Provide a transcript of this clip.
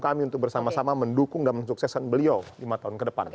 kami untuk bersama sama mendukung dan mensukseskan beliau lima tahun ke depan